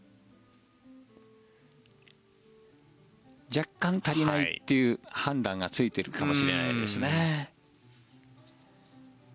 若干足りないという判断がついてるかもしれないですね。